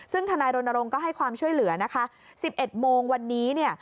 ซึ่งธนายรณรงค์ก็ให้ความช่วยเหลือนะคะ๑๑โมงวันนี้เนี่ย